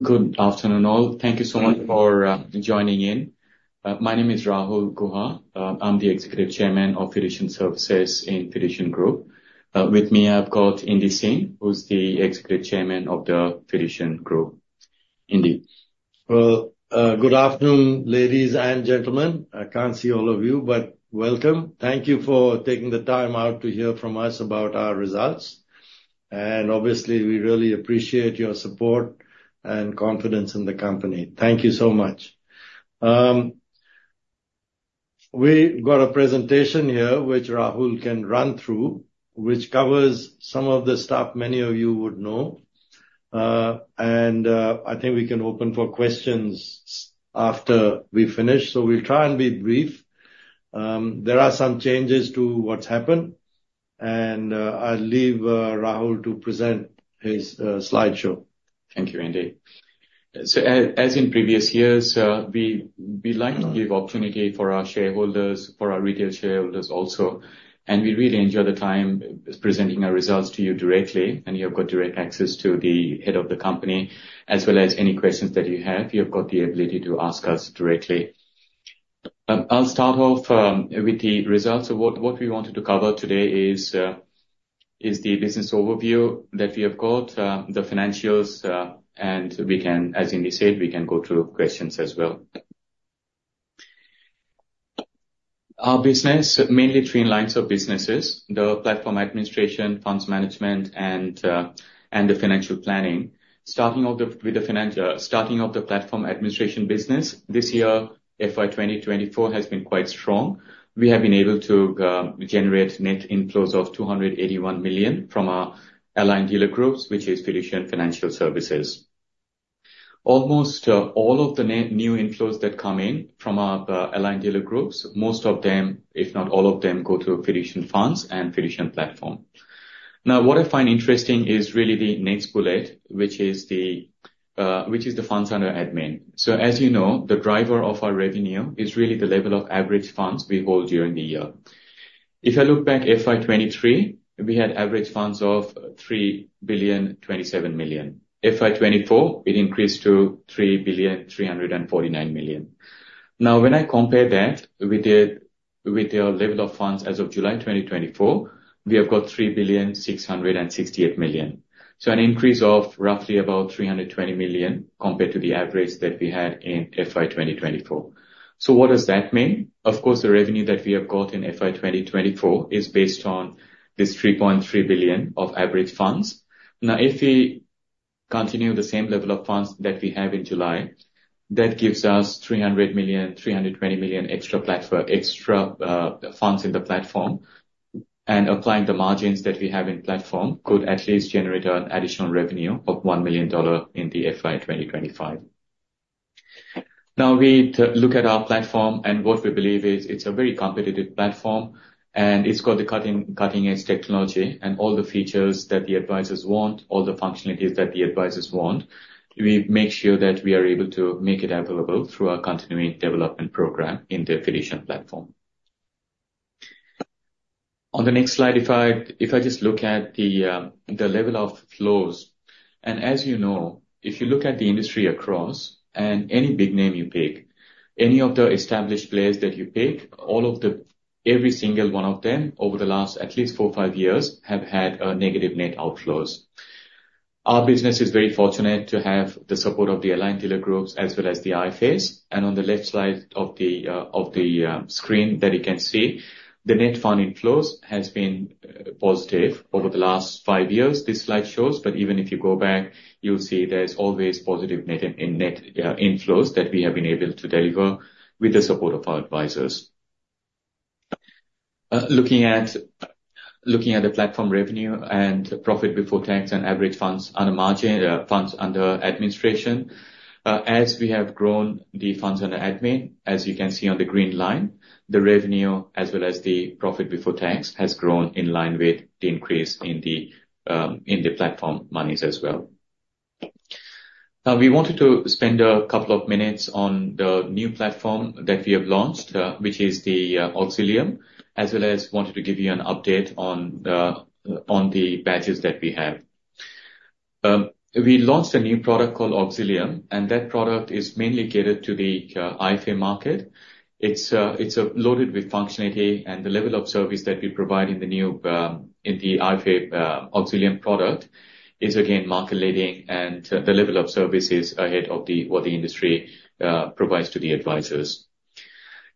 Good afternoon, all. Thank you so much for, joining in. My name is Rahul Guha. I'm the Executive Chairman of Fiducian Services in Fiducian Group. With me, I've got Indy Singh, who's the Executive Chairman of the Fiducian Group. Indy? Well, good afternoon, ladies and gentlemen. I can't see all of you, but welcome. Thank you for taking the time out to hear from us about our results, and obviously, we really appreciate your support and confidence in the company. Thank you so much. We've got a presentation here, which Rahul can run through, which covers some of the stuff many of you would know. I think we can open for questions after we finish, so we'll try and be brief. There are some changes to what's happened, and I'll leave Rahul to present his slideshow. Thank you, Indy. So as in previous years, we like to give opportunity for our shareholders, for our retail shareholders also, and we really enjoy the time presenting our results to you directly, and you've got direct access to the head of the company, as well as any questions that you have, you've got the ability to ask us directly. I'll start off with the results. So what we wanted to cover today is the business overview that we have got, the financials, and we can, as Indy said, we can go through questions as well. Our business, mainly three lines of businesses, the platform administration, funds management, and the financial planning. Starting off the platform administration business, this year, FY 2024 has been quite strong. We have been able to generate net inflows of 281 million from our aligned dealer groups, which is Fiducian Financial Services. Almost all of the new inflows that come in from our aligned dealer groups, most of them, if not all of them, go to Fiducian Funds and Fiducian Platform. Now, what I find interesting is really the next bullet, which is the funds under admin. So, as you know, the driver of our revenue is really the level of average funds we hold during the year. If I look back FY 2023, we had average funds of 3.027 billion. FY 2024, it increased to 3.349 billion. Now, when I compare that with the level of funds as of July 2024, we have got 3.668 billion. So an increase of roughly about 320 million compared to the average that we had in FY 2024. So what does that mean? Of course, the revenue that we have got in FY 2024 is based on this 3.3 billion of average funds. Now, if we continue the same level of funds that we have in July, that gives us 300 million, 320 million extra platform, extra, funds in the platform. And applying the margins that we have in platform, could at least generate an additional revenue of 1 million dollar in the FY 2025. Now, we look at our platform, and what we believe is it's a very competitive platform, and it's got the cutting, cutting-edge technology and all the features that the advisers want, all the functionalities that the advisers want. We make sure that we are able to make it available through our continuing development program in the Fiducian platform. On the next slide, if I just look at the level of flows, and as you know, if you look at the industry across, and any big name you pick, any of the established players that you pick, all of the... Every single one of them, over the last at least 4, 5 years, have had negative net outflows. Our business is very fortunate to have the support of the aligned dealer groups as well as the IFAs. On the left side of the screen that you can see, the net fund inflows has been positive over the last five years, this slide shows. But even if you go back, you'll see there's always positive net inflows that we have been able to deliver with the support of our advisers. Looking at the platform revenue and profit before tax and average funds under margin, funds under administration, as we have grown the funds under admin, as you can see on the green line, the revenue as well as the profit before tax has grown in line with the increase in the platform monies as well. We wanted to spend a couple of minutes on the new platform that we have launched, which is the Auxilium, as well as wanted to give you an update on the badges that we have. We launched a new product called Auxilium, and that product is mainly catered to the IFA market. It's loaded with functionality, and the level of service that we provide in the new IFA Auxilium product is again market-leading, and the level of service is ahead of what the industry provides to the advisers.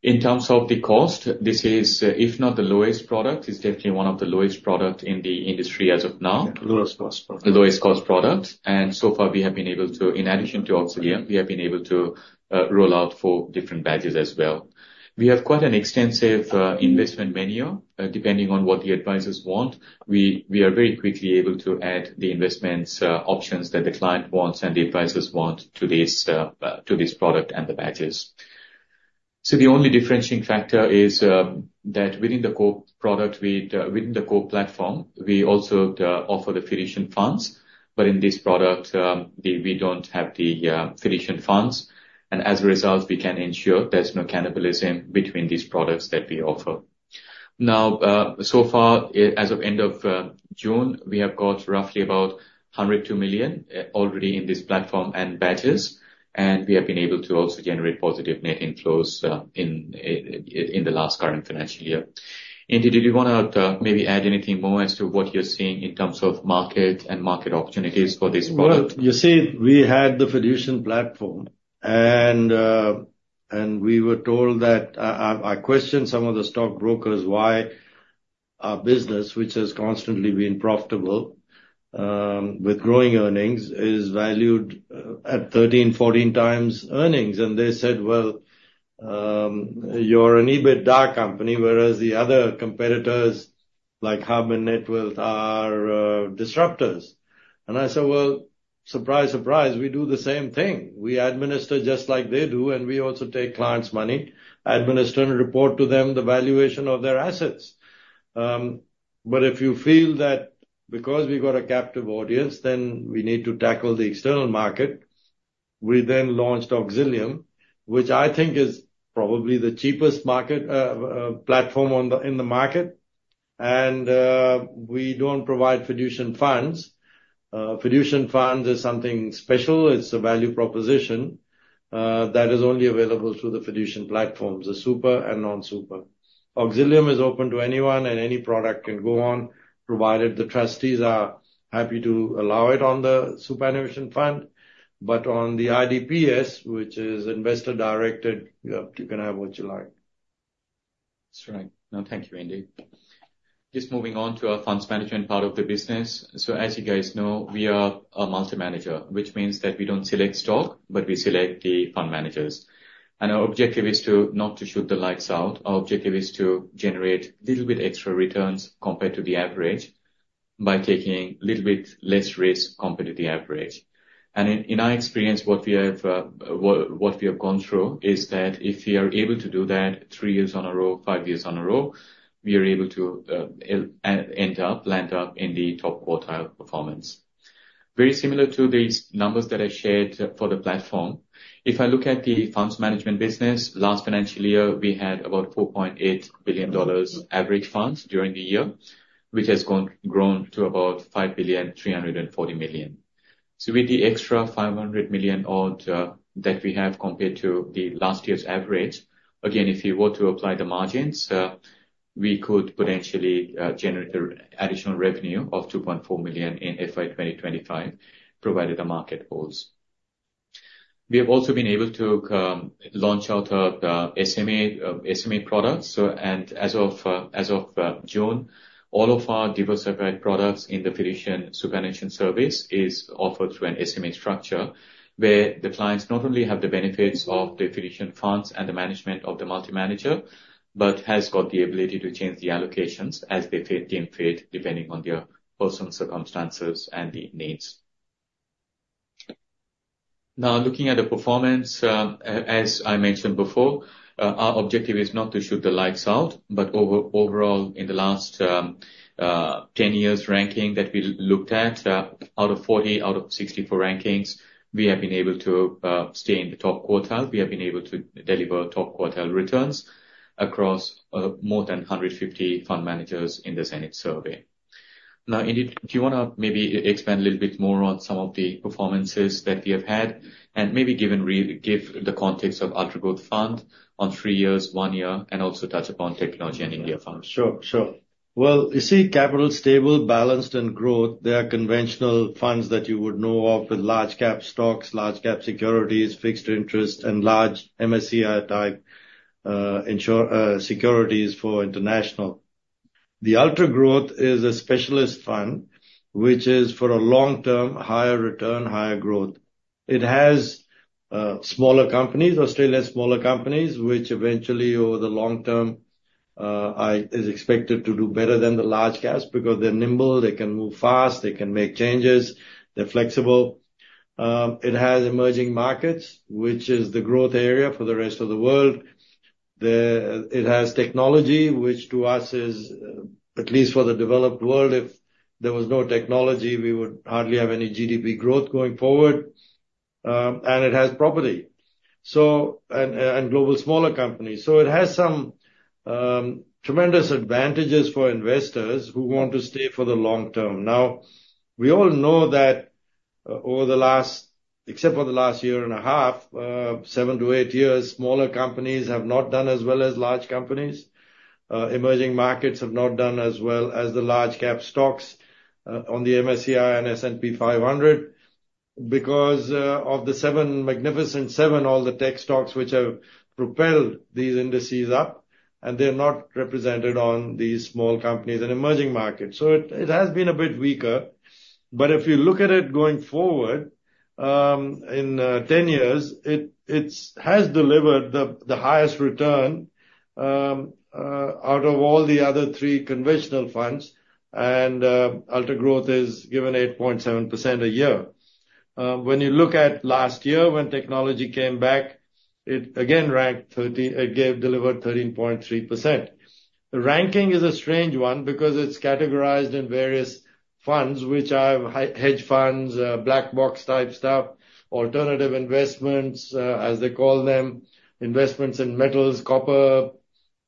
In terms of the cost, this is, if not the lowest product, it's definitely one of the lowest product in the industry as of now. Lowest cost product. The lowest cost product. So far, we have been able to, in addition to Auxilium, roll out four different Badges as well. We have quite an extensive investment menu, depending on what the advisers want. We are very quickly able to add the investments options that the client wants and the advisers want to this product and the Badges. So the only differentiating factor is that within the core platform, we also offer the Fiducian Funds. But in this product, we don't have the Fiducian Funds, and as a result, we can ensure there's no cannibalism between these products that we offer. Now, so far, as of end of June, we have got roughly about 102 million already in this platform and Badges, and we have been able to also generate positive net inflows in the last current financial year. Indy, did you wanna maybe add anything more as to what you're seeing in terms of market and market opportunities for this product? Well, you see, we had the Fiducian Platform, and we were told that I questioned some of the stockbrokers, why our business, which has constantly been profitable, with growing earnings, is valued at 13, 14 times earnings. And they said, "Well, you're an EBITDA company, whereas the other competitors, like Hub and Netwealth, are disruptors." And I said, "Well, surprise, surprise, we do the same thing. We administer just like they do, and we also take clients' money, administer and report to them the valuation of their assets." But if you feel that because we've got a captive audience, then we need to tackle the external market. We then launched Auxilium, which I think is probably the cheapest platform in the market. And we don't provide Fiducian Funds. Fiducian Funds is something special. It's a value proposition that is only available through the Fiducian Platforms, the super and non-super. Auxilium is open to anyone, and any product can go on, provided the trustees are happy to allow it on the superannuation fund. But on the IDPS, which is investor-directed, you can have what you like. That's right. No, thank you, Indy. Just moving on to our funds management part of the business. So as you guys know, we are a multi-manager, which means that we don't select stock, but we select the fund managers. And our objective is to, not to shoot the lights out. Our objective is to generate little bit extra returns compared to the average, by taking little bit less risk compared to the average. And in our experience, what we have gone through is that if we are able to do that 3 years on a row, 5 years on a row, we are able to end up, land up in the top quartile performance. Very similar to these numbers that I shared for the platform. If I look at the funds management business, last financial year, we had about 4.8 billion dollars average funds during the year, which has grown to about 5.34 billion. So with the extra 500 million odd that we have compared to the last year's average, again, if you were to apply the margins, we could potentially generate the additional revenue of 2.4 million in FY 2025, provided the market holds. We have also been able to launch out the SMA products. As of June, all of our diversified products in the Fiducian Superannuation Service is offered through an SMA structure, where the clients not only have the benefits of the Fiducian Funds and the management of the multi-manager, but has got the ability to change the allocations as they fit, depending on their personal circumstances and the needs. Now, looking at the performance, as I mentioned before, our objective is not to shoot the lights out, but overall, in the last 10 years ranking that we looked at, out of 40, out of 64 rankings, we have been able to stay in the top quartile. We have been able to deliver top quartile returns across more than 150 fund managers in this annual survey. Now, Indy, do you wanna maybe expand a little bit more on some of the performances that we have had, and maybe give the context of Ultra Growth Fund on three years, one year, and also touch upon Technology and India funds? Sure, sure. Well, you see, Capital Stable, Balanced, and Growth, they are conventional funds that you would know of with large cap stocks, large cap securities, fixed interest, and large MSCI type international securities. The Ultra Growth is a specialist fund, which is for a long-term, higher return, higher growth. It has smaller companies, Australian smaller companies, which eventually, over the long term, is expected to do better than the large caps because they're nimble, they can move fast, they can make changes, they're flexible. It has emerging markets, which is the growth area for the rest of the world. It has technology, which to us is, at least for the developed world, if there was no technology, we would hardly have any GDP growth going forward. And it has property, so... and global smaller companies. So it has some tremendous advantages for investors who want to stay for the long term. Now, we all know that over the last, except for the last year and a half, 7-8 years, smaller companies have not done as well as large companies. Emerging markets have not done as well as the large cap stocks on the MSCI and S&P 500, because of the Magnificent Seven, all the tech stocks which have propelled these indices up, and they're not represented on these small companies and emerging markets. So it has been a bit weaker. But if you look at it going forward, in 10 years, it has delivered the highest return out of all the other three conventional funds, and Ultra Growth is given 8.7% a year. When you look at last year, when technology came back, it again ranked 13—it gave, delivered 13.3%. The ranking is a strange one because it's categorized in various funds, which are hedge funds, black box type stuff, alternative investments, as they call them, investments in metals, copper,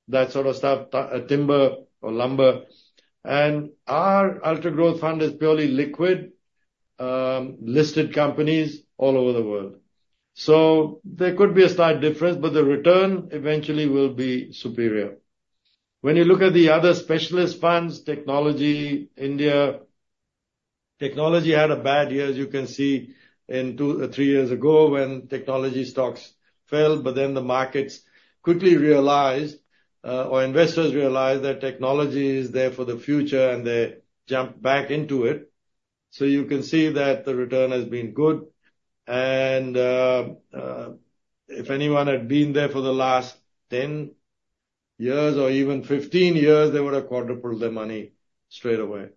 that sort of stuff, timber or lumber. And our Ultra Growth Fund is purely liquid, listed companies all over the world. So there could be a slight difference, but the return eventually will be superior. When you look at the other specialist funds, Technology, India. Technology had a bad year, as you can see, in two, three years ago, when technology stocks fell, but then the markets quickly realized, or investors realized that technology is there for the future, and they jumped back into it. So you can see that the return has been good. And if anyone had been there for the last 10 years or even 15 years, they would have quadrupled their money straight away.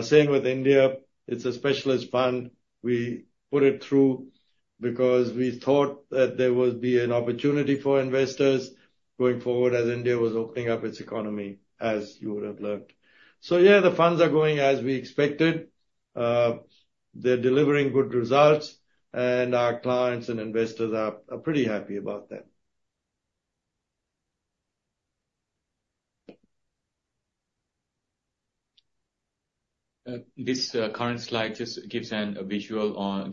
Same with India. It's a specialist fund. We put it through because we thought that there would be an opportunity for investors going forward as India was opening up its economy, as you would have learned. So yeah, the funds are going as we expected. They're delivering good results, and our clients and investors are pretty happy about that. This current slide just gives a visual on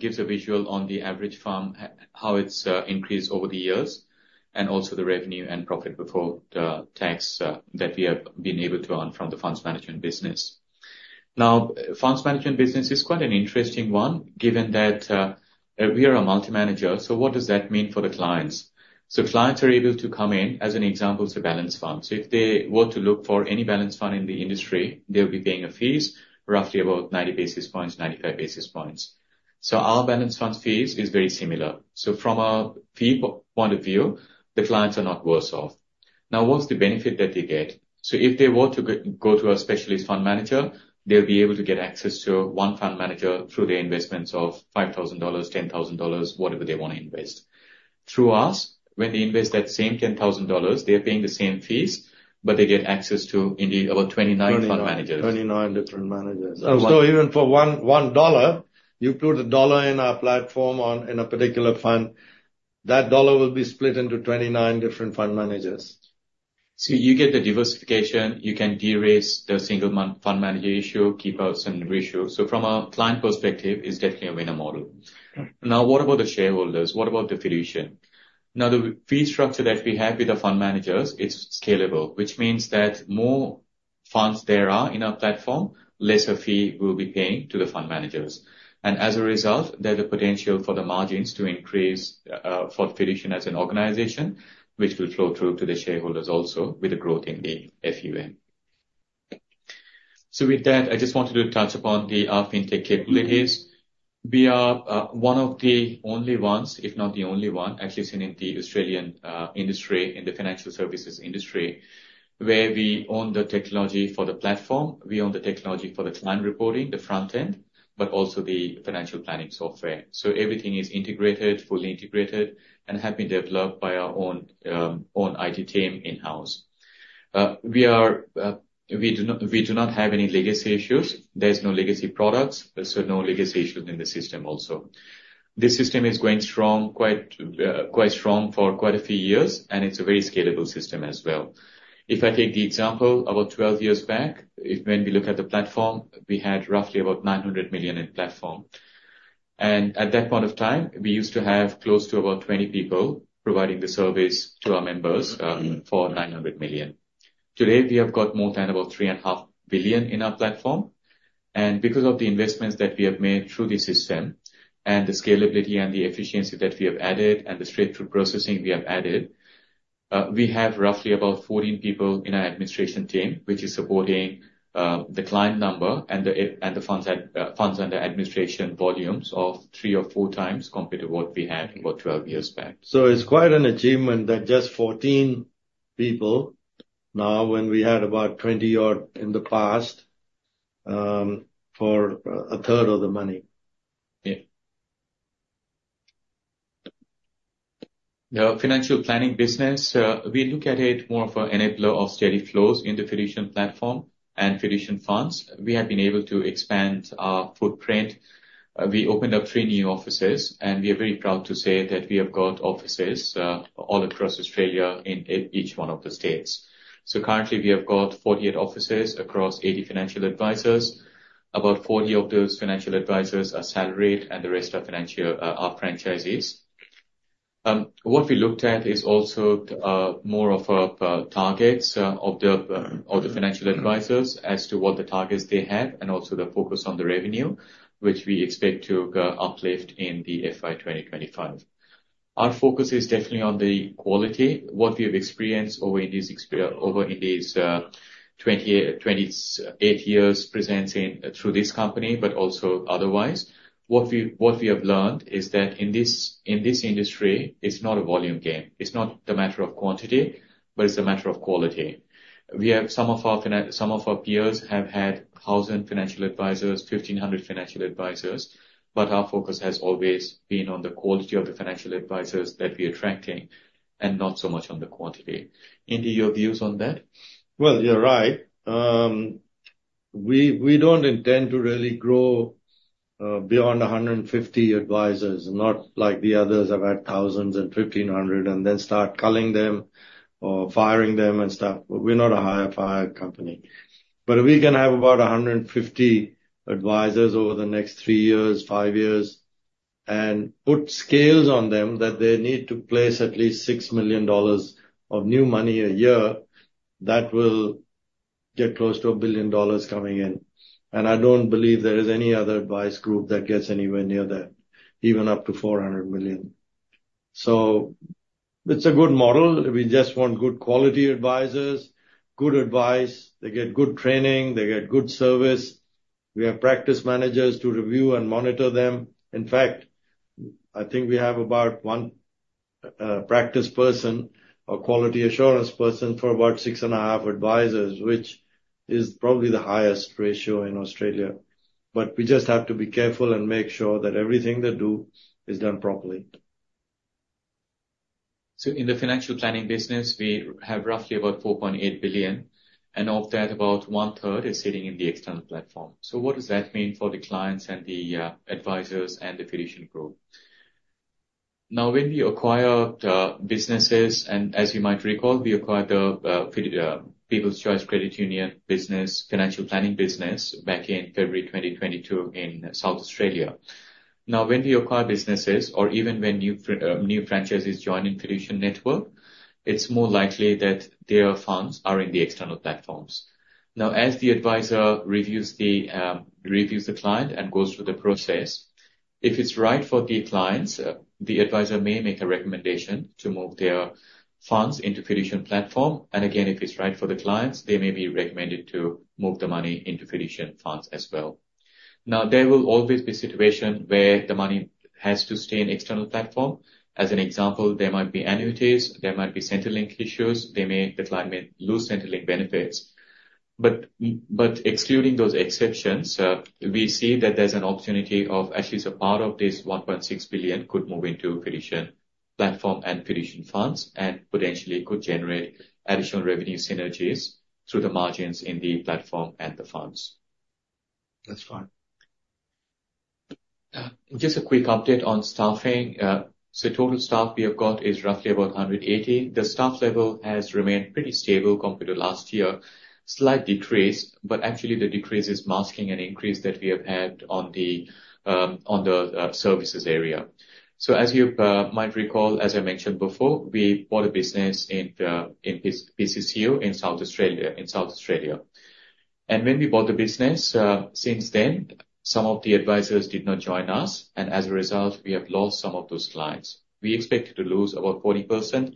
the average fund, how it's increased over the years, and also the revenue and profit before tax that we have been able to earn from the funds management business. Now, funds management business is quite an interesting one, given that we are a multi-manager. So what does that mean for the clients? So clients are able to come in, as an example, it's a balanced fund. So if they were to look for any balanced fund in the industry, they'll be paying fees, roughly about 90 basis points, 95 basis points. So our balanced fund fees is very similar. So from a fee point of view, the clients are not worse off. Now, what's the benefit that they get? So if they were to go to a specialist fund manager, they'll be able to get access to one fund manager through the investments of 5,000 dollars, 10,000 dollars, whatever they want to invest. Through us, when they invest that same 10,000 dollars, they are paying the same fees, but they get access to indeed about 29 fund managers. 29 different managers. Um- So even for 1 dollar, you put AUD 1 in our platform in a particular fund, that AUD 1 will be split into 29 different fund managers. You get the diversification, you can de-risk the single-manager fund manager issue, keep out certain ratio. From a client perspective, it's definitely a winner model. Yeah. Now, what about the shareholders? What about the Fiducian? Now, the fee structure that we have with the fund managers, it's scalable, which means that more funds there are in our platform, lesser fee we'll be paying to the fund managers. And as a result, there's a potential for the margins to increase for Fiducian as an organization, which will flow through to the shareholders also with the growth in the FUMAA. So with that, I just wanted to touch upon our fintech capabilities. We are one of the only ones, if not the only one, actually sitting in the Australian industry, in the financial services industry, where we own the technology for the platform, we own the technology for the client reporting, the front end, but also the financial planning software. So everything is integrated, fully integrated, and have been developed by our own own IT team in-house. We do not have any legacy issues. There's no legacy products, so no legacy issues in the system also. This system is going strong, quite quite strong for quite a few years, and it's a very scalable system as well. If I take the example, about 12 years back, when we look at the platform, we had roughly about 900 million in platform. And at that point of time, we used to have close to about 20 people providing the service to our members, for 900 million. Today, we have got more than about 3.5 billion in our platform. Because of the investments that we have made through the system and the scalability and the efficiency that we have added and the straight-through processing we have added, we have roughly about 14 people in our administration team, which is supporting the client number and the IT and the funds under administration volumes of 3 or 4 times compared to what we had about 12 years back. It's quite an achievement that just 14 people now, when we had about 20-odd in the past, a third of the money. Yeah. The financial planning business, we look at it more of an enabler of steady flows in the Fiducian Platform and Fiducian Funds. We have been able to expand our footprint. We opened up 3 new offices, and we are very proud to say that we have got offices all across Australia in each one of the states. So currently, we have got 48 offices across 80 financial advisers. About 40 of those financial advisers are salaried, and the rest are financial, are franchisees. What we looked at is also more of a targets of the financial advisers as to what the targets they have and also the focus on the revenue, which we expect to uplift in the FY 2025. Our focus is definitely on the quality. What we have experienced over in these 28 years presenting through this company, but also otherwise, what we have learned is that in this industry, it's not a volume game. It's not a matter of quantity, but it's a matter of quality. We have some of our peers have had 1,000 financial advisers, 1,500 financial advisers, but our focus has always been on the quality of the financial advisers that we are attracting, and not so much on the quantity. Indy, your views on that? Well, you're right. We, we don't intend to really grow beyond 150 advisers, not like the others have had thousands and 1,500 and then start culling them or firing them and stuff. We're not a hire-fire company. We're gonna have about 150 advisers over the next three years, five years, and put scales on them that they need to place at least 6 million dollars of new money a year. That will get close to 1 billion dollars coming in, and I don't believe there is any other advice group that gets anywhere near that, even up to 400 million. So it's a good model. We just want good quality advisers, good advice. They get good training, they get good service. We have practice managers to review and monitor them. In fact, I think we have about 1 practice person or quality assurance person for about 6.5 advisers, which is probably the highest ratio in Australia. But we just have to be careful and make sure that everything they do is done properly. So in the financial planning business, we have roughly about 4.8 billion, and of that, about one third is sitting in the external platform. So what does that mean for the clients and the advisers and the Fiducian Group? Now, when we acquired businesses, and as you might recall, we acquired the People's Choice Credit Union business, financial planning business, back in February 2022 in South Australia. Now, when we acquire businesses, or even when new franchises join in Fiducian network, it's more likely that their funds are in the external platforms. Now, as the advisor reviews the client and goes through the process, if it's right for the clients, the advisor may make a recommendation to move their funds into Fiducian Platform. And again, if it's right for the clients, they may be recommended to move the money into Fiducian Funds as well. Now, there will always be situation where the money has to stay in external platform. As an example, there might be annuities, there might be Centrelink issues, they may... The client may lose Centrelink benefits. But but excluding those exceptions, we see that there's an opportunity of actually, so part of this 1.6 billion could move into Fiducian platform and Fiducian Funds, and potentially could generate additional revenue synergies through the margins in the platform and the funds. That's fine. Just a quick update on staffing. So total staff we have got is roughly about 180. The staff level has remained pretty stable compared to last year. Slight decrease, but actually the decrease is masking an increase that we have had on the services area. So as you might recall, as I mentioned before, we bought a business in PCCU in South Australia, in South Australia. And when we bought the business, since then, some of the advisers did not join us, and as a result, we have lost some of those clients. We expected to lose about 40%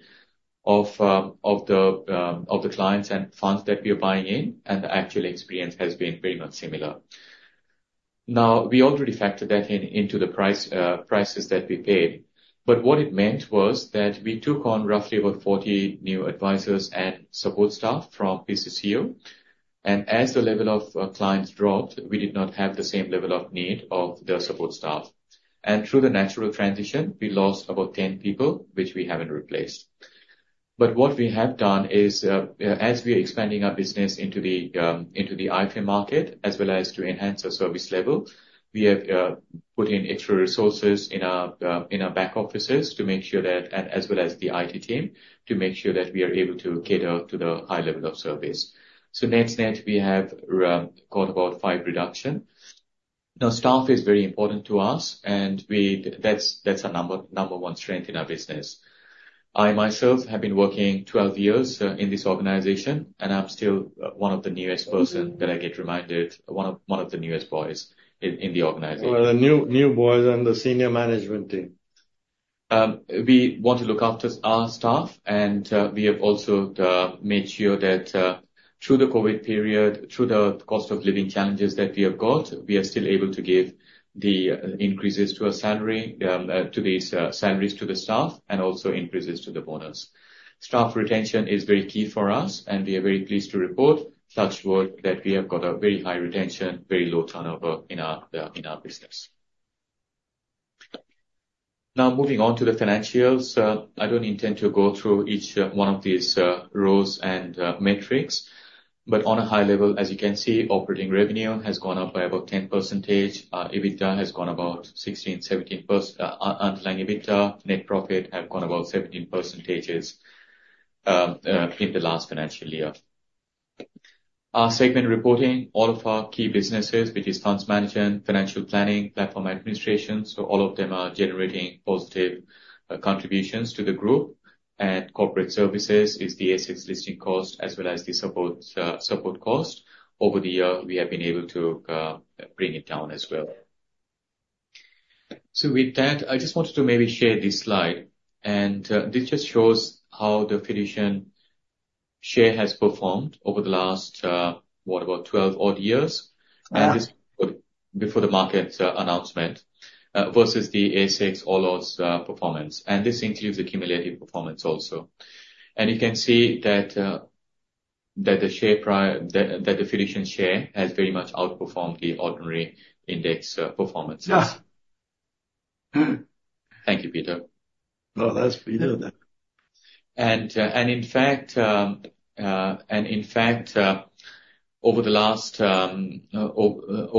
of the clients and funds that we are buying in, and the actual experience has been pretty much similar. Now, we already factored that in, into the price, prices that we paid, but what it meant was that we took on roughly about 40 new advisers and support staff from PCCU. And as the level of clients dropped, we did not have the same level of need of the support staff. And through the natural transition, we lost about 10 people, which we haven't replaced. But what we have done is, as we are expanding our business into the, into the IFA market, as well as to enhance our service level, we have put in extra resources in our, in our back offices to make sure that, and as well as the IT team, to make sure that we are able to cater to the high level of service. So net/net, we have got about 5 reduction. Now, staff is very important to us, and that's, that's our number, number one strength in our business. I myself have been working 12 years in this organization, and I'm still one of the newest person, that I get reminded, one of, one of the newest boys in the organization. Well, the new, new boys on the senior management team. We want to look after our staff, and we have also made sure that through the COVID period, through the cost of living challenges that we have got, we are still able to give the increases to our salary to these salaries to the staff, and also increases to the bonus. Staff retention is very key for us, and we are very pleased to report such work that we have got a very high retention, very low turnover in our business. Now, moving on to the financials. I don't intend to go through each one of these rows and metrics, but on a high level, as you can see, operating revenue has gone up by about 10%. EBITDA has gone about 16%-17%, underlying EBITDA, net profit have gone about 17%, in the last financial year. Our segment reporting, all of our key businesses, which is funds management, financial planning, platform administration, so all of them are generating positive contributions to the group. At Corporate Services is the ASX listing cost, as well as the support, support cost. Over the year, we have been able to bring it down as well. So with that, I just wanted to maybe share this slide, and this just shows how the Fiducian share has performed over the last, what, about 12 odd years? Yeah. This before the market announcement versus the ASX All Ords performance. This includes the cumulative performance also. You can see that the share price that the Fiducian share has very much outperformed the ordinary index performances. Yeah. Thank you, Peter. Well, that's pretty good then. In fact, over the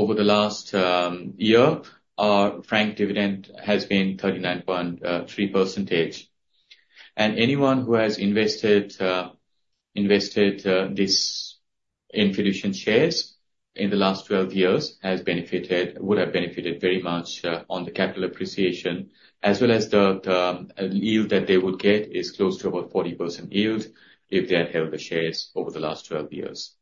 last year, our franked dividend has been 39.3%. And anyone who has invested this in Fiducian shares in the last 12 years has benefited—would have benefited very much on the capital appreciation, as well as the yield that they would get is close to about 40% yield if they had held the shares over the last 12 years.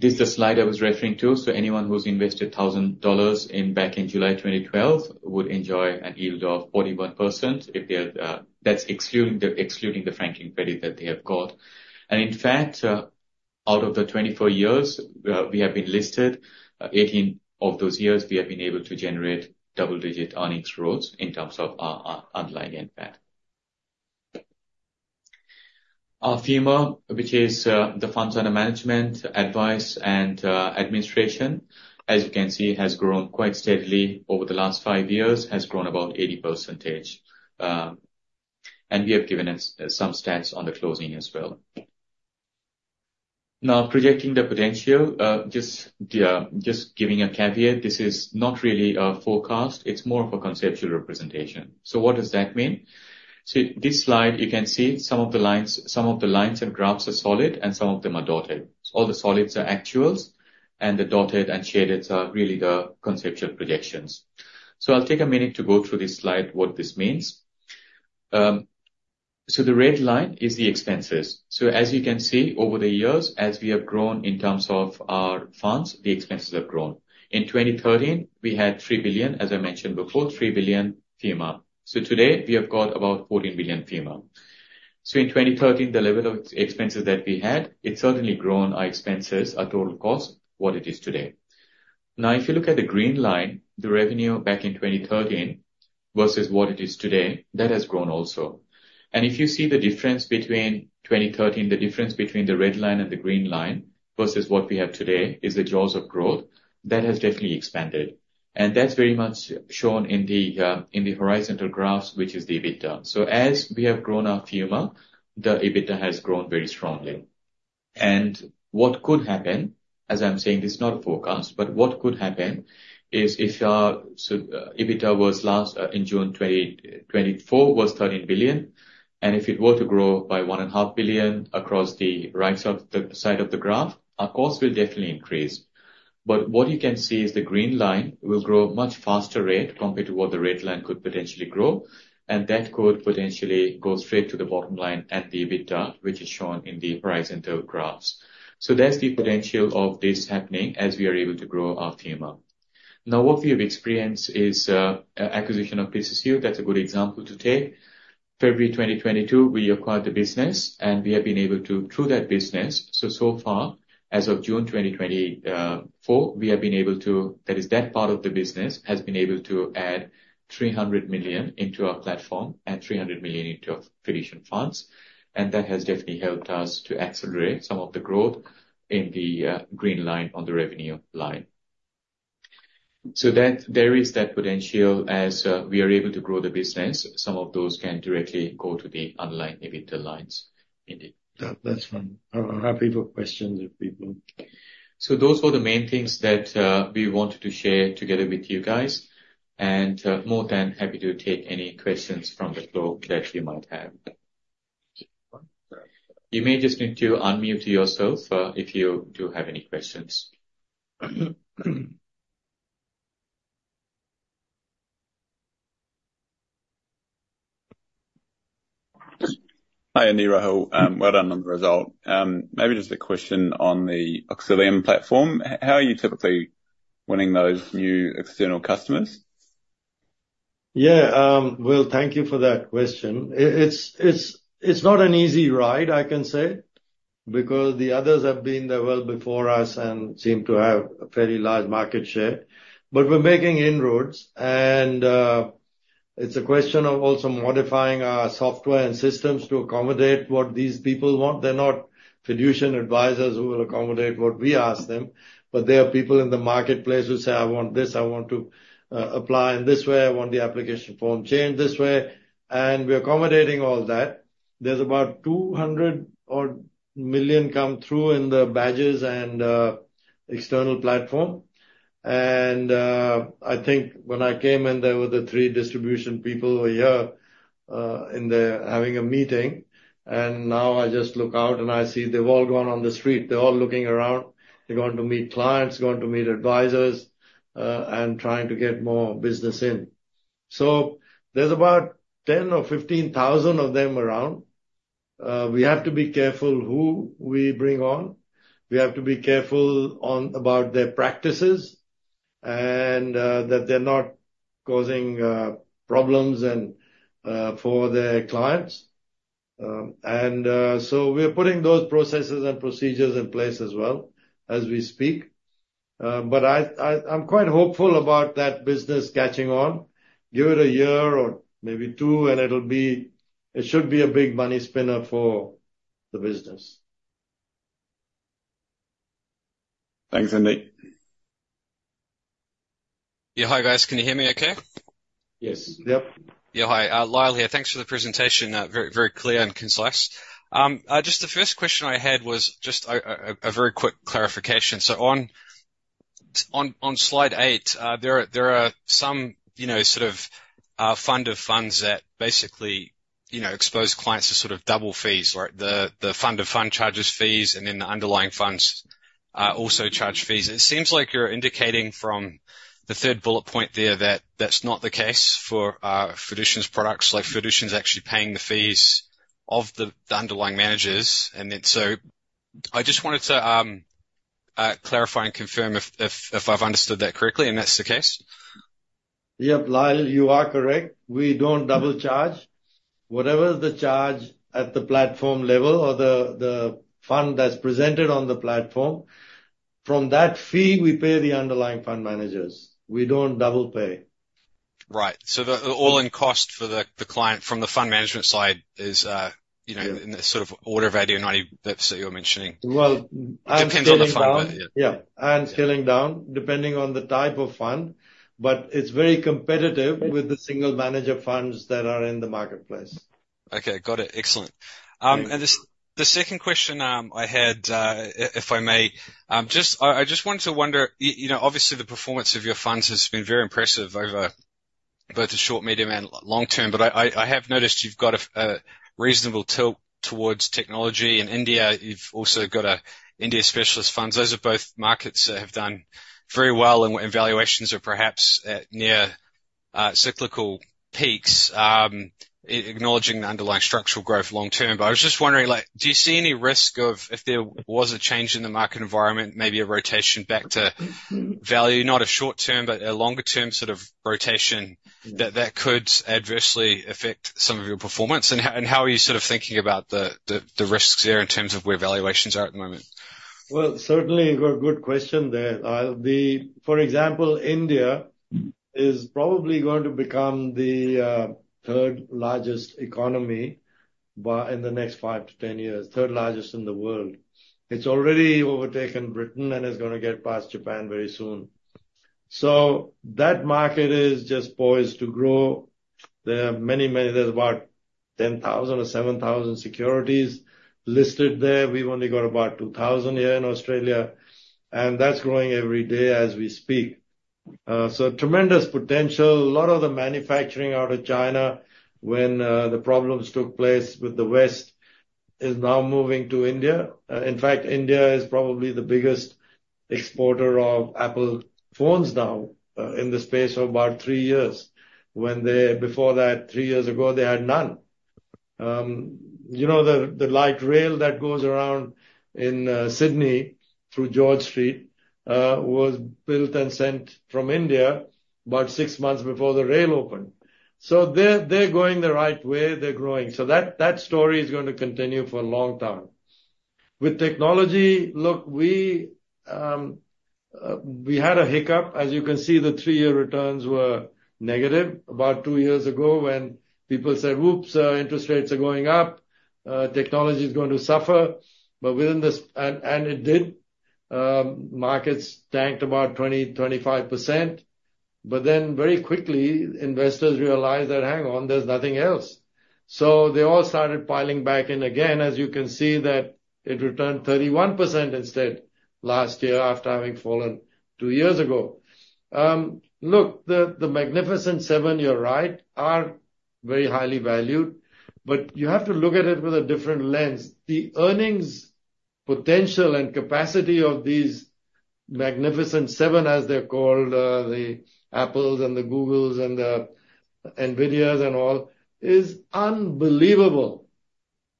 This is the slide I was referring to. So anyone who's invested 1,000 dollars back in July 2012 would enjoy a yield of 41% if they are... That's excluding the franking credit that they have got. In fact, out of the 24 years we have been listed, 18 of those years we have been able to generate double-digit earnings growth in terms of our, our underlying impact. Our FUMA, which is the funds under management, advice and administration, as you can see, has grown quite steadily over the last five years. Has grown about 80%. And we have given it some stats on the closing as well. Now, projecting the potential, just giving a caveat, this is not really a forecast. It's more of a conceptual representation. So what does that mean? So this slide, you can see some of the lines, some of the lines and graphs are solid and some of them are dotted. All the solids are actuals, and the dotted and shaded are really the conceptual projections. So I'll take a minute to go through this slide, what this means. So the red line is the expenses. So as you can see, over the years, as we have grown in terms of our funds, the expenses have grown. In 2013, we had 3 billion, as I mentioned before, 3 billion FUMA. So today, we have got about 14 billion FUMA. So in 2013, the level of expenses that we had, it's certainly grown our expenses, our total cost, what it is today. Now, if you look at the green line, the revenue back in 2013 versus what it is today, that has grown also. And if you see the difference between 2013, the difference between the red line and the green line versus what we have today, is the jaws of growth. That has definitely expanded. That's very much shown in the, in the horizontal graphs, which is the EBITDA. As we have grown our FUMA, the EBITDA has grown very strongly. What could happen, as I'm saying, this is not a forecast, but what could happen is if our, so, EBITDA was last, in June 2024 was 13 billion, and if it were to grow by 1.5 billion across the right of the, side of the graph, our costs will definitely increase. But what you can see is the green line will grow at a much faster rate compared to what the red line could potentially grow, and that could potentially go straight to the bottom line at the EBITDA, which is shown in the horizontal graphs. That's the potential of this happening as we are able to grow our FUMA. Now, what we have experienced is, acquisition of PCCU. That's a good example to take. February 2022, we acquired the business, and we have been able to, through that business, so, so far, as of June 2024, we have been able to. That is, that part of the business, has been able to add 300 million into our platform and 300 million into our Fiducian Funds. And that has definitely helped us to accelerate some of the growth in the, green line on the revenue line. So that, there is that potential as, we are able to grow the business, some of those can directly go to the underlying EBITDA lines indeed. That, that's fine. I'm happy for questions if people. So those were the main things that we wanted to share together with you guys, and more than happy to take any questions from the floor that you might have. You may just need to unmute yourself, if you do have any questions. Hi, Rahul. Well done on the result. Maybe just a question on the Auxilium platform. How are you typically winning those new external customers? Yeah, well, thank you for that question. It's not an easy ride, I can say, because the others have been there well before us and seem to have a fairly large market share. But we're making inroads, and it's a question of also modifying our software and systems to accommodate what these people want. They're not Fiducian advisers who will accommodate what we ask them, but they are people in the marketplace who say: I want this, I want to apply in this way, I want the application form changed this way. And we're accommodating all that. There's about 200 million come through in the Badges and external platform. And I think when I came in, there were the three distribution people were here and they're having a meeting. Now I just look out and I see they've all gone on the street. They're all looking around. They're going to meet clients, going to meet advisers, and trying to get more business in. So there's about 10,000 or 15,000 of them around. We have to be careful who we bring on. We have to be careful about their practices, and that they're not causing problems for their clients. So we're putting those processes and procedures in place as well, as we speak. But I'm quite hopeful about that business catching on. Give it a year or maybe two, and it'll be. It should be a big money spinner for the business. Thanks, Andy. Yeah. Hi, guys. Can you hear me okay? Yes. Yep. Yeah. Hi, Lyle here. Thanks for the presentation, very, very clear and concise. Just the first question I had was just a very quick clarification. So on slide eight, there are some, you know, sort of fund of funds that basically, you know, expose clients to sort of double fees, where the fund of fund charges fees, and then the underlying funds also charge fees. It seems like you're indicating from the third bullet point there, that that's not the case for Fiducian's products, like Fiducian is actually paying the fees of the underlying managers, and then so... I just wanted to clarify and confirm if I've understood that correctly, and that's the case? Yep, Lyle, you are correct. We don't double charge. Whatever the charge at the platform level or the fund that's presented on the platform, from that fee, we pay the underlying fund managers. We don't double pay. Right. So the all-in cost for the, the client from the fund management side is, you know? Yeah In the sort of order of value, 90 pips that you're mentioning. Well, and scaling down- Depends on the fund, but yeah. Yeah, and scaling down, depending on the type of fund, but it's very competitive with the single manager funds that are in the marketplace. Okay, got it. Excellent. Thank you. The second question I had, if I may, just... I just wanted to wonder, you know, obviously, the performance of your funds has been very impressive over both the short, medium, and long term, but I have noticed you've got a reasonable tilt towards technology. In India, you've also got a India specialist funds. Those are both markets that have done very well and valuations are perhaps at near cyclical peaks, acknowledging the underlying structural growth long term. But I was just wondering, like, do you see any risk of if there was a change in the market environment, maybe a rotation back to value, not a short term, but a longer-term sort of rotation, that could adversely affect some of your performance? How are you sort of thinking about the risks there in terms of where valuations are at the moment? Well, certainly, you got a good question there. For example, India is probably going to become the third largest economy by in the next 5-10 years, third largest in the world. It's already overtaken Britain, and it's gonna get past Japan very soon. So that market is just poised to grow. There are many, many. There's about 10,000 or 7,000 securities listed there. We've only got about 2,000 here in Australia, and that's growing every day as we speak. So tremendous potential. A lot of the manufacturing out of China, when the problems took place with the West, is now moving to India. In fact, India is probably the biggest exporter of Apple phones now, in the space of about 3 years. When they before that, 3 years ago, they had none. You know, the light rail that goes around in Sydney through George Street was built and sent from India about six months before the rail opened. So they're going the right way, they're growing. So that story is going to continue for a long time. With technology, look, we had a hiccup. As you can see, the three-year returns were negative about two years ago when people said, "Oops, interest rates are going up, technology is going to suffer." But within this... And it did. Markets tanked about 20-25%. But then very quickly, investors realized that, hang on, there's nothing else. So they all started piling back in again. As you can see, that it returned 31% instead last year, after having fallen two years ago. Look, the Magnificent Seven, you're right, are very highly valued, but you have to look at it with a different lens. The earnings, potential, and capacity of these Magnificent Seven, as they're called, the Apples and the Googles and the Nvidias and all, is unbelievable.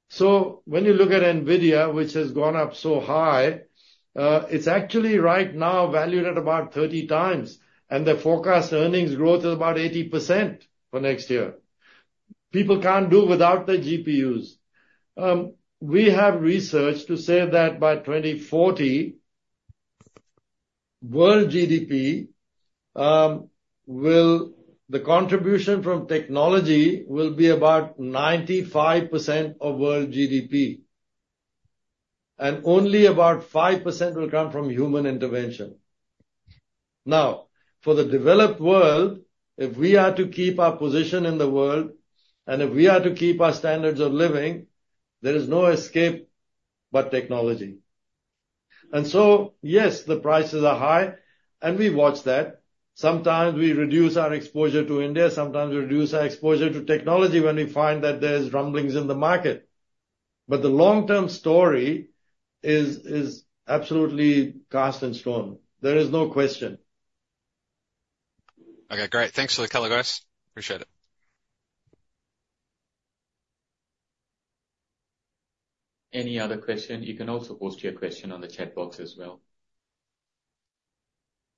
So when you look at Nvidia, which has gone up so high, it's actually right now valued at about 30x, and the forecast earnings growth is about 80% for next year. People can't do without the GPUs. We have research to say that by 2040, the contribution from technology will be about 95% of world GDP, and only about 5% will come from human intervention. Now, for the developed world, if we are to keep our position in the world, and if we are to keep our standards of living, there is no escape but technology. And so, yes, the prices are high, and we watch that. Sometimes we reduce our exposure to India, sometimes we reduce our exposure to technology when we find that there's rumblings in the market. But the long-term story is, is absolutely cast in stone. There is no question. Okay, great. Thanks for the color, guys. Appreciate it. Any other question? You can also post your question on the chat box as well.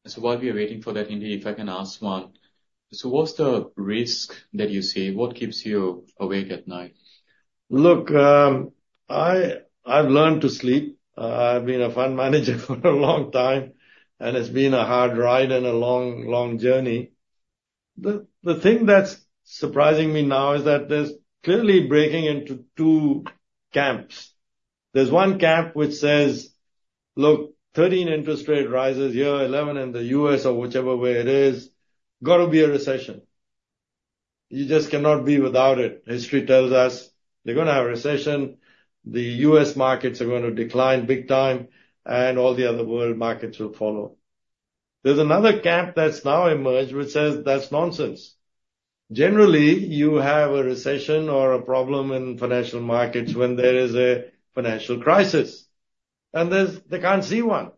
So while we are waiting for that, Indy, if I can ask one. So what's the risk that you see? What keeps you awake at night? Look, I've learned to sleep. I've been a fund manager for a long time, and it's been a hard ride and a long, long journey. The thing that's surprising me now is that there's clearly breaking into two camps. There's one camp which says, "Look, 13 interest rate rises, year 11 in the U.S. or whichever way it is, gotta be a recession. You just cannot be without it. History tells us you're gonna have a recession, the U.S. markets are gonna decline big time, and all the other world markets will follow." There's another camp that's now emerged which says, "That's nonsense." Generally, you have a recession or a problem in financial markets when there is a financial crisis, and there's, they can't see one.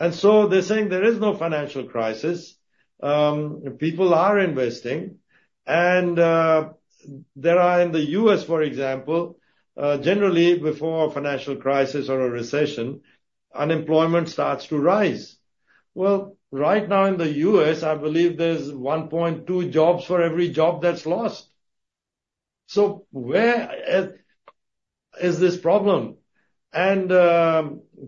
And so they're saying there is no financial crisis. People are investing, and there are, in the U.S., for example, generally, before a financial crisis or a recession, unemployment starts to rise. Well, right now in the U.S., I believe there's 1.2 jobs for every job that's lost. So where is this problem? And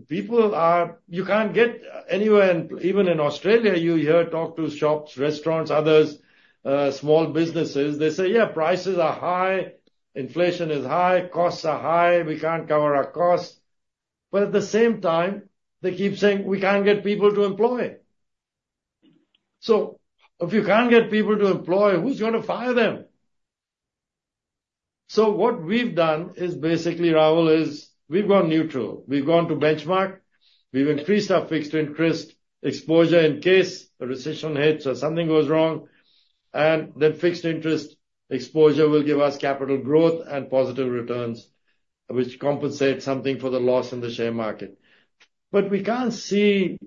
people are... You can't get anywhere, and even in Australia, you hear, talk to shops, restaurants, others, small businesses, they say, "Yeah, prices are high, inflation is high, costs are high. We can't cover our costs." But at the same time, they keep saying, "We can't get people to employ." So if you can't get people to employ, who's gonna fire them? So what we've done is basically, Rahul, is we've gone neutral. We've gone to benchmark. We've increased our fixed interest exposure in case a recession hits or something goes wrong, and that fixed interest exposure will give us capital growth and positive returns, which compensate something for the loss in the share market. But we can't see.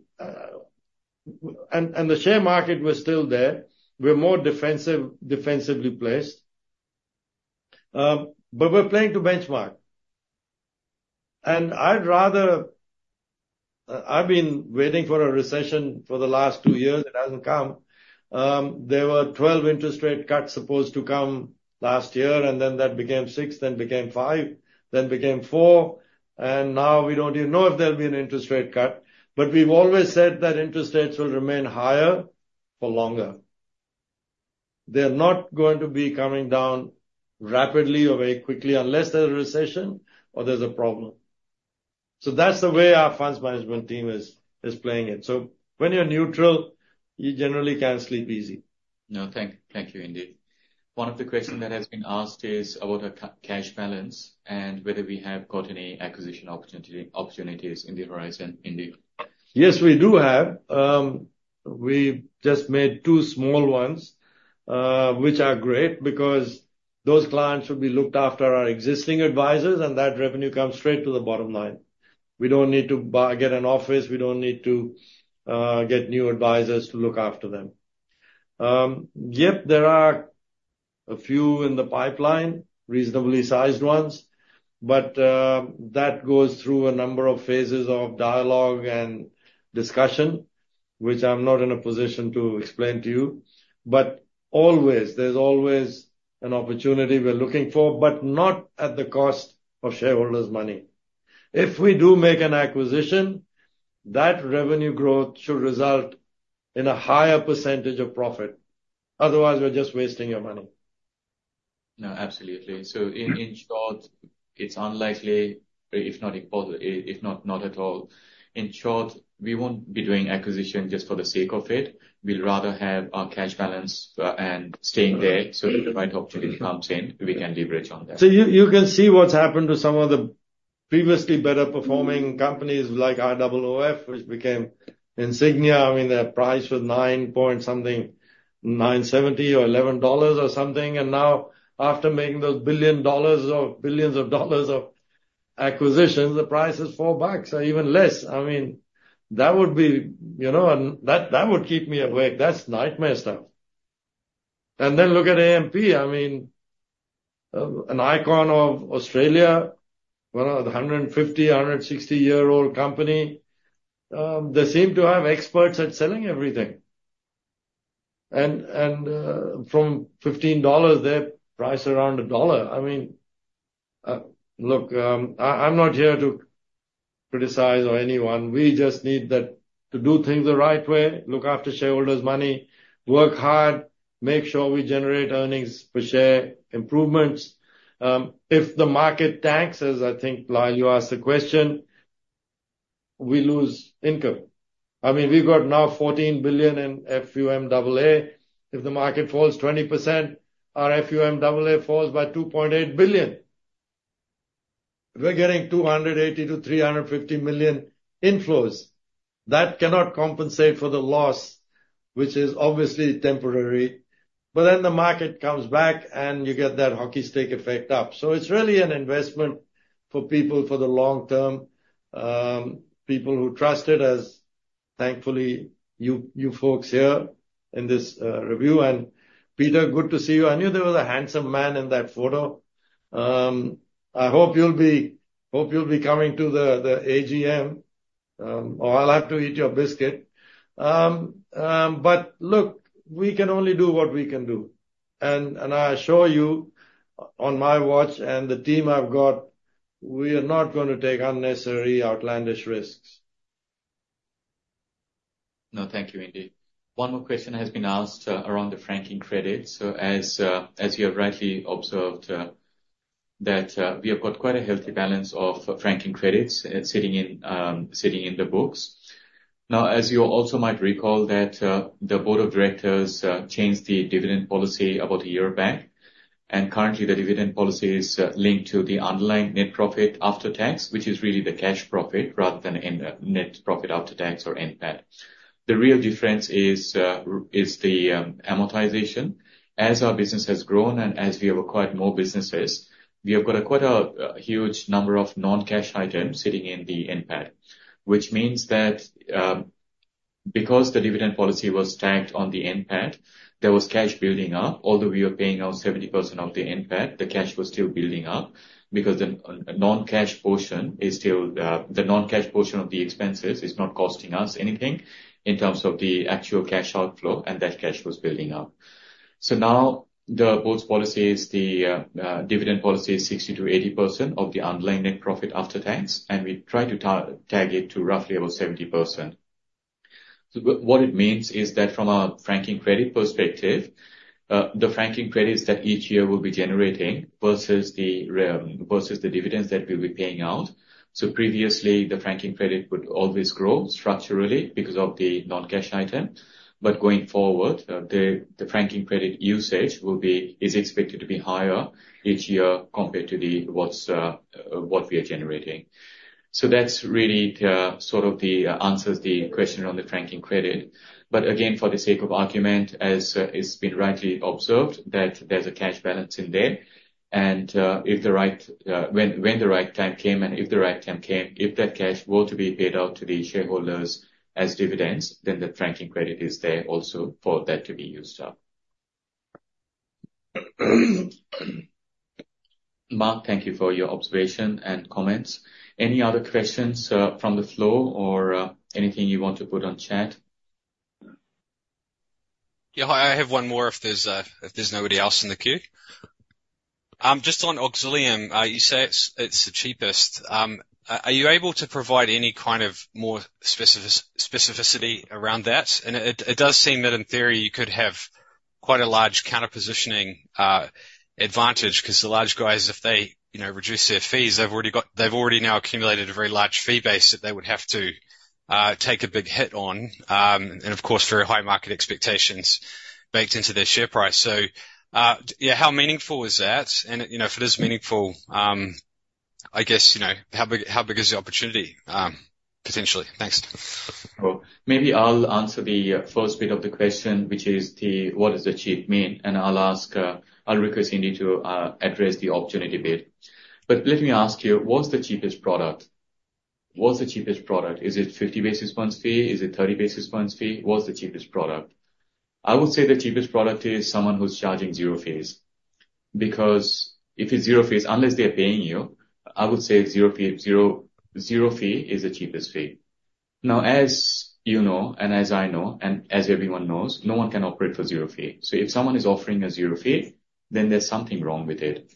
And the share market was still there. We're more defensive, defensively placed, but we're playing to benchmark. And I'd rather, I've been waiting for a recession for the last 2 years. It hasn't come. There were 12 interest rate cuts supposed to come last year, and then that became 6, then became 5, then became 4, and now we don't even know if there'll be an interest rate cut. But we've always said that interest rates will remain higher for longer. They're not going to be coming down rapidly or very quickly unless there's a recession or there's a problem. So that's the way our funds management team is playing it. So when you're neutral, you generally can sleep easy. No, thank you, Indy. One of the questions that has been asked is about our cash balance and whether we have got any acquisition opportunities in the horizon, Indy. Yes, we do have. We just made two small ones, which are great because those clients will be looked after our existing advisers, and that revenue comes straight to the bottom line. We don't need to buy, get an office. We don't need to get new advisers to look after them. Yep, there are a few in the pipeline, reasonably sized ones. But that goes through a number of phases of dialogue and discussion, which I'm not in a position to explain to you. But always, there's always an opportunity we're looking for, but not at the cost of shareholders' money. If we do make an acquisition, that revenue growth should result in a higher percentage of profit. Otherwise, we're just wasting your money. No, absolutely. Mm-hmm. In short, it's unlikely, if not impossible, if not, not at all. In short, we won't be doing acquisition just for the sake of it. We'd rather have our cash balance and staying there, so if the right opportunity comes in, we can leverage on that. So you can see what's happened to some of the previously better performing companies like IOOF, which became Insignia. I mean, their price was 9.something, 9.70 or 11 dollars or something, and now after making those billions of dollars of acquisitions, the price is 4 bucks or even less. I mean, that would be... You know, and that would keep me awake. That's nightmare stuff. And then look at AMP. I mean, an icon of Australia, well, a 150- or 160-year-old company. They seem to have experts at selling everything. And from 15 dollars, they're priced around AUD 1. I mean, look, I'm not here to criticize on anyone. We just need that, to do things the right way, look after shareholders' money, work hard, make sure we generate earnings per share improvements. If the market tanks, as I think, Lyle, you asked the question, we lose income. I mean, we've got now 14 billion in FUMAA. If the market falls 20%, our FUMAA falls by 2.8 billion. We're getting 280 million-350 million inflows. That cannot compensate for the loss, which is obviously temporary... But then the market comes back, and you get that hockey stick effect up. So it's really an investment for people for the long term, people who trust it, as thankfully, you, you folks here in this review. And Peter, good to see you. I knew there was a handsome man in that photo. I hope you'll be coming to the AGM, or I'll have to eat your biscuit. But look, we can only do what we can do. And I assure you, on my watch and the team I've got, we are not gonna take unnecessary, outlandish risks. No, thank you, Indy. One more question has been asked around the franking credits. So as you have rightly observed, that we have got quite a healthy balance of franking credits sitting in the books. Now, as you also might recall, that the board of directors changed the dividend policy about a year back, and currently, the dividend policy is linked to the underlying net profit after tax, which is really the cash profit, rather than net profit after tax or NPAT. The real difference is the amortization. As our business has grown and as we have acquired more businesses, we have got quite a huge number of non-cash items sitting in the NPAT. Which means that, because the dividend policy was tagged on the NPAT, there was cash building up. Although we were paying out 70% of the NPAT, the cash was still building up, because the non-cash portion is still. The non-cash portion of the expenses is not costing us anything in terms of the actual cash outflow, and that cash was building up. So now, the board's policy is the dividend policy is 60%-80% of the underlying net profit after tax, and we try to tag it to roughly about 70%. So what it means is that from a franking credit perspective, the franking credits that each year will be generating versus the revenue, versus the dividends that we'll be paying out. So previously, the franking credit would always grow structurally because of the non-cash item, but going forward, the franking credit usage will be is expected to be higher each year compared to what we are generating. So that's really sort of answers the question on the franking credit. But again, for the sake of argument, as it's been rightly observed, that there's a cash balance in there, and when the right time came and if the right time came, if that cash were to be paid out to the shareholders as dividends, then the franking credit is there also for that to be used up. Mark, thank you for your observation and comments. Any other questions from the floor, or anything you want to put on chat? Yeah, hi. I have one more if there's nobody else in the queue. Just on Auxilium, you say it's the cheapest. Are you able to provide any kind of more specificity around that? And it does seem that in theory, you could have quite a large counter-positioning advantage, 'cause the large guys, if they, you know, reduce their fees, they've already now accumulated a very large fee base that they would have to take a big hit on. And of course, very high market expectations baked into their share price. So, yeah, how meaningful is that? And, you know, if it is meaningful, I guess, you know, how big is the opportunity potentially? Thanks. Well, maybe I'll answer the first bit of the question, which is the what is the cheap mean? And I'll ask, I'll request Indy to address the opportunity bit. But let me ask you, what's the cheapest product? What's the cheapest product? Is it 50 basis points fee? Is it 30 basis points fee? What's the cheapest product? I would say the cheapest product is someone who's charging zero fees. Because if it's zero fees, unless they're paying you, I would say zero fee, zero, zero fee is the cheapest fee. Now, as you know, and as I know, and as everyone knows, no one can operate for zero fee. So if someone is offering a zero fee, then there's something wrong with it.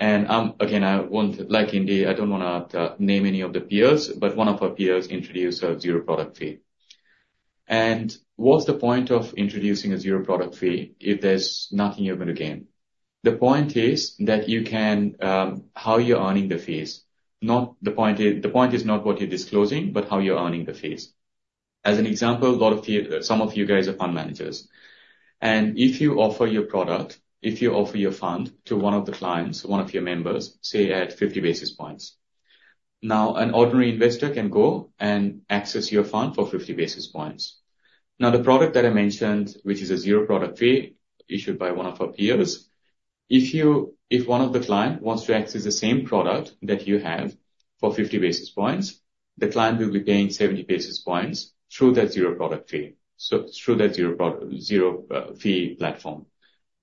And, again, I want. Like Indy, I don't wanna name any of the peers, but one of our peers introduced a zero product fee. And what's the point of introducing a zero product fee if there's nothing you're going to gain? The point is that you can how you're earning the fees, not the point is... The point is not what you're disclosing, but how you're earning the fees. As an example, some of you guys are fund managers, and if you offer your product, if you offer your fund to one of the clients, one of your members, say, at 50 basis points. Now, an ordinary investor can go and access your fund for 50 basis points. Now, the product that I mentioned, which is a zero product fee, issued by one of our peers, if one of the client wants to access the same product that you have for 50 basis points, the client will be paying 70 basis points through that zero product fee. So through that zero fee platform.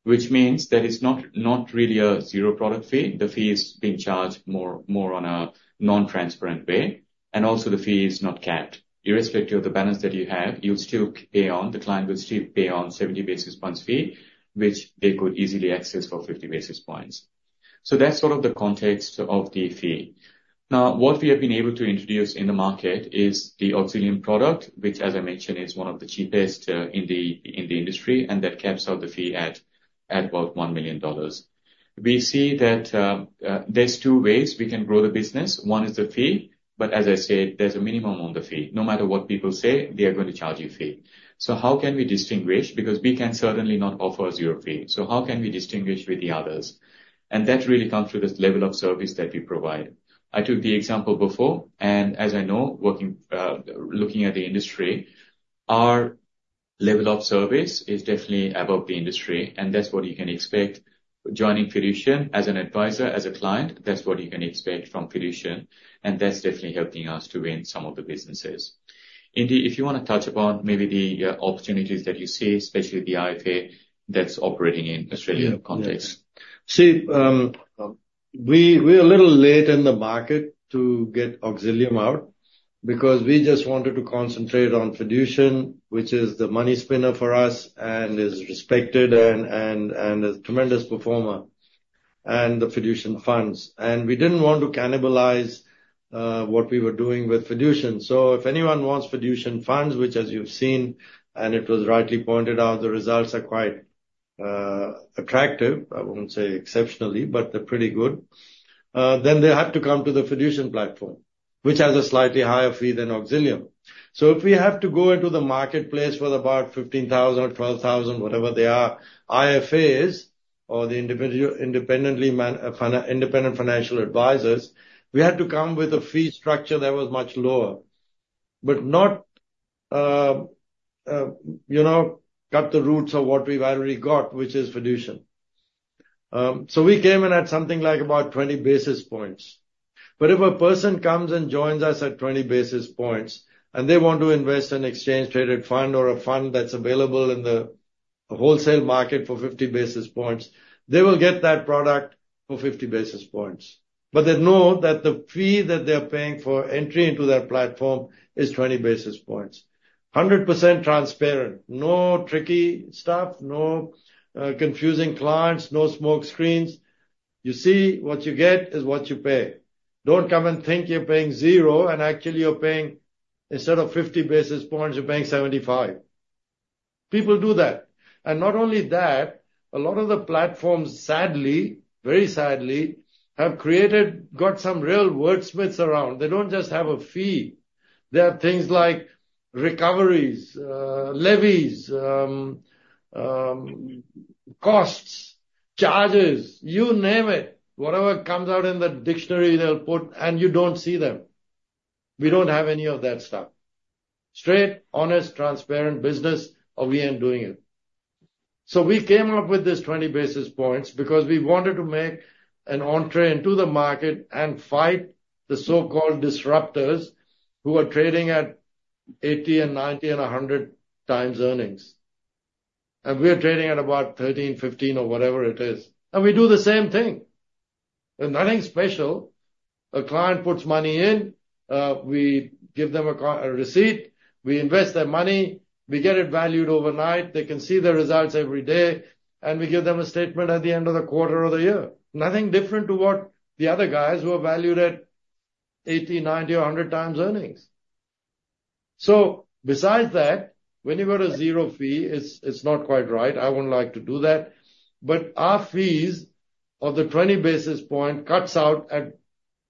Which means that it's not, not really a zero product fee. The fee is being charged more, more on a non-transparent way, and also the fee is not capped. Irrespective of the balance that you have, you'll still pay on, the client will still pay on 70 basis points fee, which they could easily access for 50 basis points. So that's sort of the context of the fee. Now, what we have been able to introduce in the market is the Auxilium product, which, as I mentioned, is one of the cheapest in the industry, and that caps out the fee at about 1 million dollars. We see that there's two ways we can grow the business. One is the fee, but as I said, there's a minimum on the fee. No matter what people say, they are going to charge you fee. So how can we distinguish? Because we can certainly not offer a zero fee. So how can we distinguish with the others? And that really comes with the level of service that we provide. I took the example before, and as I know, looking at the industry, our level of service is definitely above the industry, and that's what you can expect. Joining Fiducian as an advisor, as a client, that's what you can expect from Fiducian, and that's definitely helping us to win some of the businesses. Indy, if you wanna touch about maybe the opportunities that you see, especially the IFA that's operating in Australian context. Yeah. See, we, we're a little late in the market to get Auxilium out, because we just wanted to concentrate on Fiducian, which is the money spinner for us and is respected and, and, and a tremendous performer, and the Fiducian Funds. And we didn't want to cannibalize what we were doing with Fiducian. So if anyone wants Fiducian Funds, which as you've seen, and it was rightly pointed out, the results are quite attractive. I wouldn't say exceptionally, but they're pretty good. Then they have to come to the Fiducian platform, which has a slightly higher fee than Auxilium. So if we have to go into the marketplace with about 15,000 or 12,000, whatever they are, IFAs, or the individual independent financial advisers, we had to come with a fee structure that was much lower. But not, you know, cut the roots of what we've already got, which is Fiducian. So we came in at something like about 20 basis points. But if a person comes and joins us at 20 basis points, and they want to invest in exchange-traded fund or a fund that's available in the wholesale market for 50 basis points, they will get that product for 50 basis points. But they know that the fee that they're paying for entry into that platform is 20 basis points. 100% transparent, no tricky stuff, no, confusing clients, no smoke screens. You see, what you get is what you pay. Don't come and think you're paying zero, and actually you're paying, instead of 50 basis points, you're paying 75. People do that. And not only that, a lot of the platforms, sadly, very sadly, have created... Got some real wordsmiths around. They don't just have a fee. There are things like recoveries, levies, costs, charges, you name it. Whatever comes out in the dictionary, they'll put, and you don't see them. We don't have any of that stuff. Straight, honest, transparent business, or we ain't doing it. So we came up with this 20 basis points because we wanted to make an entree into the market and fight the so-called disruptors who are trading at 80 and 90 and 100 times earnings. And we are trading at about 13, 15, or whatever it is. And we do the same thing. There's nothing special. A client puts money in, we give them a receipt, we invest their money, we get it valued overnight, they can see the results every day, and we give them a statement at the end of the quarter or the year. Nothing different to what the other guys who are valued at 80, 90, or 100 times earnings. So besides that, when you've got a zero fee, it's, it's not quite right. I wouldn't like to do that. But our fees of the 20 basis point cuts out at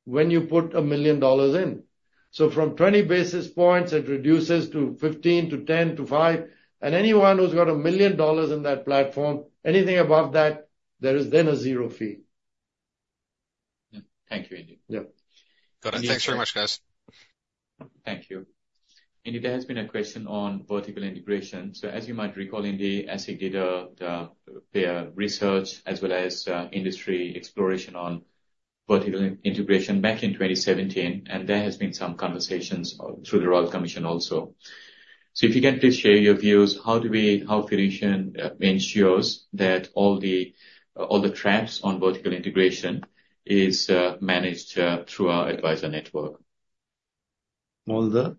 when you put 1 million dollars in. So from 20 basis points, it reduces to 15, to 10, to 5. And anyone who's got 1 million dollars in that platform, anything above that, there is then a zero fee. Yeah. Thank you, Indy. Yeah. Got it. Thanks very much, guys. Thank you. Indy, there has been a question on vertical integration. So as you might recall, Indy, ASIC did their research as well as industry exploration on vertical integration back in 2017, and there has been some conversations through the Royal Commission also. So if you can please share your views, how Fiducian ensures that all the traps on vertical integration is managed through our advisor network? All the?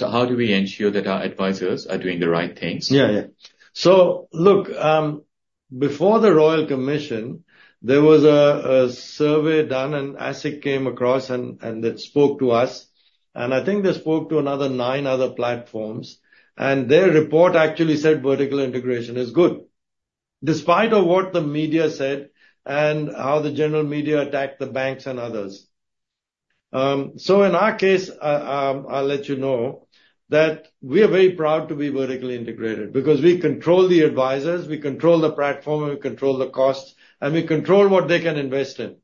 How do we ensure that our advisers are doing the right things? Yeah, yeah. So look, before the Royal Commission, there was a survey done, and ASIC came across and they spoke to us, and I think they spoke to another nine other platforms, and their report actually said vertical integration is good, despite of what the media said and how the general media attacked the banks and others. So in our case, I'll let you know that we are very proud to be vertically integrated, because we control the advisers, we control the platform, and we control the costs, and we control what they can invest in.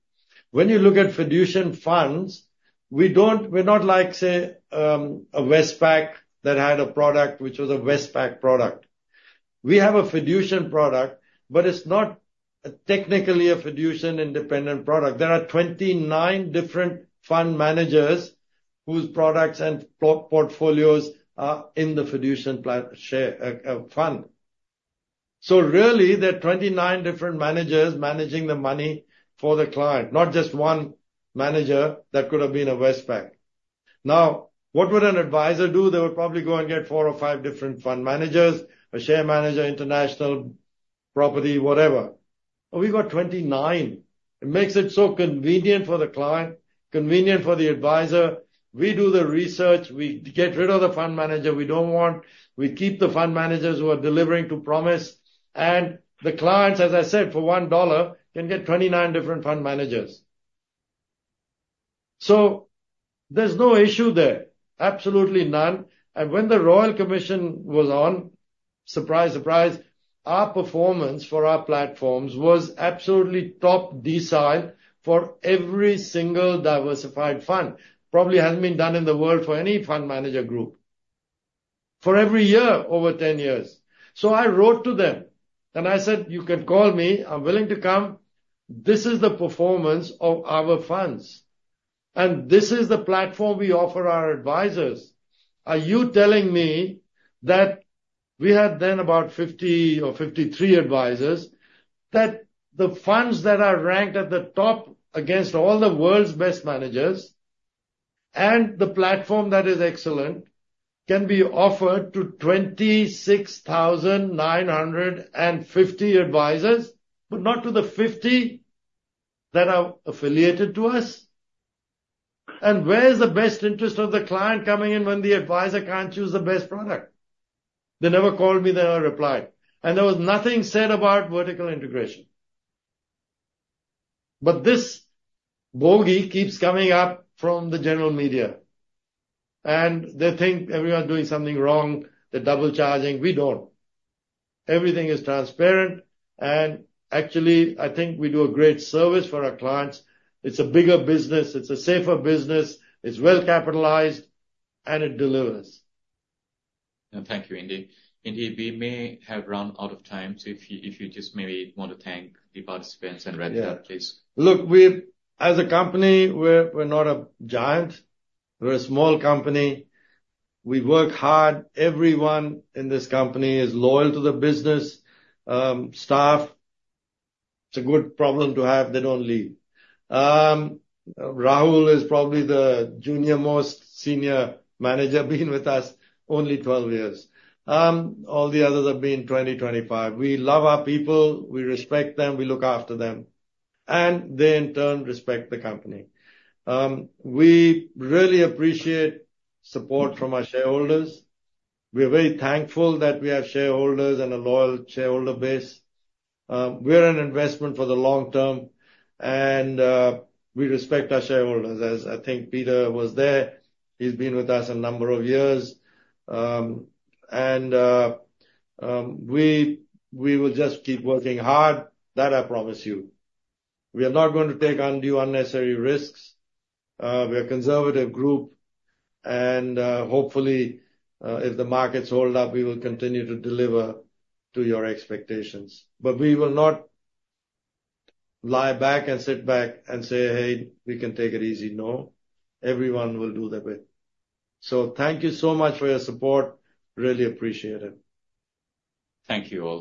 When you look at Fiducian Funds, we're not like, say, a Westpac that had a product which was a Westpac product. We have a Fiducian product, but it's not technically a Fiducian independent product. There are 29 different fund managers whose products and portfolios are in the Fiducian platform share fund. So really, there are 29 different managers managing the money for the client, not just one manager that could have been a Westpac. Now, what would an advisor do? They would probably go and get 4 or 5 different fund managers, a share manager, international, property, whatever. But we've got 29. It makes it so convenient for the client, convenient for the advisor. We do the research. We get rid of the fund manager we don't want. We keep the fund managers who are delivering to promise. And the clients, as I said, for 1 dollar, can get 29 different fund managers. So there's no issue there, absolutely none. And when the Royal Commission was on... Surprise, surprise, our performance for our platforms was absolutely top decile for every single diversified fund. Probably hasn't been done in the world for any fund manager group, for every year, over 10 years. So I wrote to them, and I said, "You can call me. I'm willing to come. This is the performance of our funds, and this is the platform we offer our advisers. Are you telling me that," we had then about 50 or 53 advisers, "that the funds that are ranked at the top against all the world's best managers, and the platform that is excellent, can be offered to 26,950 advisers, but not to the 50 that are affiliated to us? And where is the best interest of the client coming in when the advisor can't choose the best product?" They never called me, they never replied. There was nothing said about vertical integration. But this bogey keeps coming up from the general media, and they think everyone's doing something wrong, they're double charging. We don't. Everything is transparent, and actually, I think we do a great service for our clients. It's a bigger business, it's a safer business, it's well-capitalized, and it delivers. Thank you, Indy. Indy, we may have run out of time, so if you just maybe want to thank the participants and wrap it up, please. Look, we as a company, we're not a giant. We're a small company. We work hard. Everyone in this company is loyal to the business. Staff, it's a good problem to have, they don't leave. Rahul is probably the junior-most senior manager, been with us only 12 years. All the others have been 20, 25. We love our people, we respect them, we look after them, and they in turn, respect the company. We really appreciate support from our shareholders. We are very thankful that we have shareholders and a loyal shareholder base. We're an investment for the long term, and we respect our shareholders. As I think Peter was there, he's been with us a number of years. And we will just keep working hard. That I promise you. We are not going to take undue, unnecessary risks. We're a conservative group, and hopefully, if the markets hold up, we will continue to deliver to your expectations. But we will not lie back and sit back and say, "Hey, we can take it easy." No, everyone will do their bit. So thank you so much for your support. Really appreciate it. Thank you all.